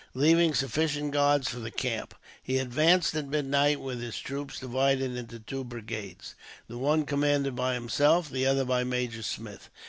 Leaving sufficient guards for the camp, he advanced at midnight, with his troops divided into two brigades, the one commanded by himself, the other by Major Smith.